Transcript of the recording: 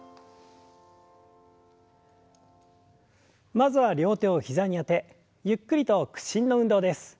まずは両手を膝にあてゆっくりと屈伸の運動です。